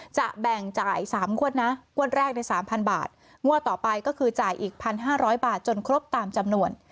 จะแบ่งจ่าย๓งวดนะงวดแรกใน๓๐๐บาทงวดต่อไปก็คือจ่ายอีก๑๕๐๐บาทจนครบตามจำนวน